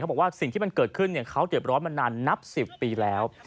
บอกว่าสิ่งที่มันเกิดขึ้นเขาเจ็บร้อนมานานนับ๑๐ปีแล้ว